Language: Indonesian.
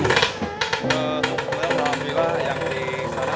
alhamdulillah yang disana